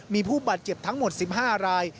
มีผู้บาดเจ็บทั้งหมด๑๕ราย